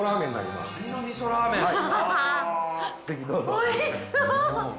おいしそう！